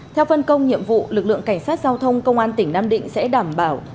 theo phân công nhiệm vụ lực lượng cảnh sát giao thông công an tỉnh nam định sẽ đảm bảo